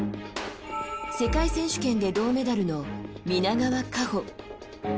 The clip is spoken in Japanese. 世界選手権で銅メダルの皆川夏穂。